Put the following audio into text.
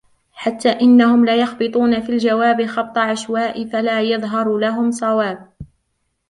حَتَّى إنَّهُمْ لَيَخْبِطُونَ فِي الْجَوَابِ خَبْطَ عَشْوَاءِ فَلَا يَظْهَرُ لَهُمْ صَوَابٌ